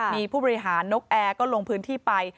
มีผู้บริหารนกแอร์ก็ลงพื้นที่ไป